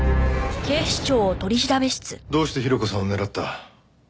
どうしてヒロコさんを狙った？